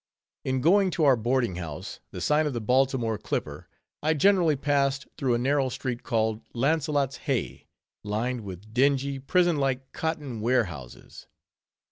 In going to our boarding house, the sign of the Baltimore Clipper, I generally passed through a narrow street called "Launcelott's Hey," lined with dingy, prison like cotton warehouses.